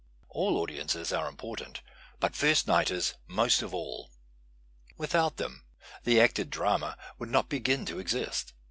All audi ences arc important, but first nighters most of all. Without them the acted drama would not begin to exist.